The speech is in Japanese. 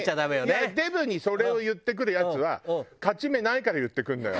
デブにそれを言ってくるヤツは勝ち目ないから言ってくるのよ。